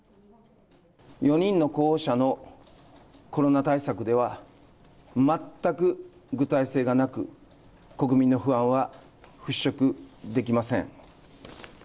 ４人の候補者のコロナ対策では、全く具体性がなく、国民の不安は払拭できません。